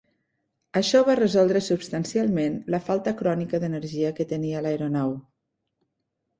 Això va resoldre substancialment la falta crònica d'energia que tenia l'aeronau.